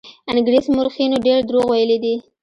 انګرېز مورخینو ډېر دروغ ویلي دي.